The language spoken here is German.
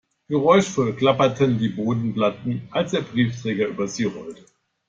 Geräuschvoll klapperten die Bodenplatten, als der Briefträger über sie rollte.